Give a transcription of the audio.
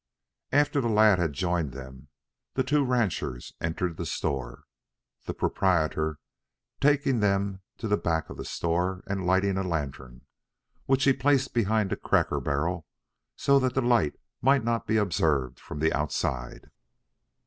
After the lad had joined them, the two ranchers entered the store, the proprietor taking them to the back of the store and lighting a lantern, which he placed behind a cracker barrel, so that the light might not be observed from the outside.